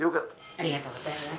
ありがとうございます。